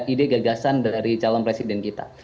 ide gagasan dari calon presiden kita